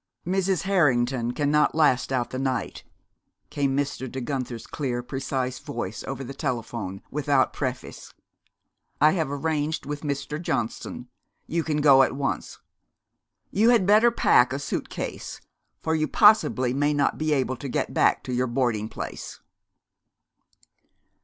"Mrs. Harrington cannot last out the night," came Mr. De Guenther's clear, precise voice over the telephone, without preface. "I have arranged with Mr. Johnston. You can go at once. You had better pack a suit case, for you possibly may not be able to get back to your boarding place."